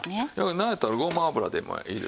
なんやったらごま油でもいいですよ。